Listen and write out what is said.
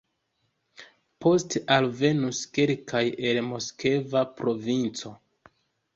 Poste alvenis kelkaj el Moskva provinco.